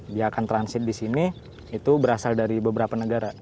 dia akan transit di sini itu berasal dari beberapa negara